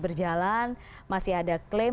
berjalan masih ada klaim